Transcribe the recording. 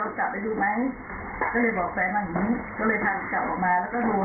พอกลับมาดูก็ให้พี่สไตร์ไปแล้วก็ให้น้องไปเขาก็บอกว่าไม่เห็นมีอะไรอยู่